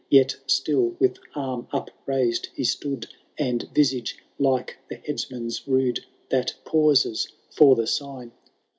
Yet still with arm upraised he stood. And visage like the headsman's rude That pauses for the sign.